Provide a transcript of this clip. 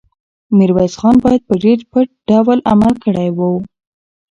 میرویس خان باید په ډېر پټ ډول عمل کړی وی.